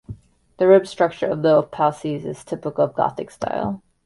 The ribbed structure of the apses is typical of Gothic style.